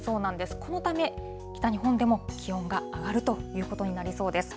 このため、北日本でも気温が上がるということになりそうです。